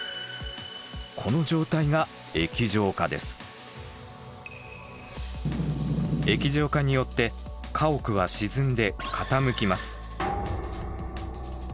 この状態が液状化によって家屋は沈んで傾きます。